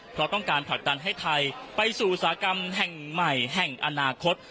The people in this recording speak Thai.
เพราะต้องการผลักดันให้ไทยไปสู่อุตสาหกรรมแห่งใหม่แห่งอนาคต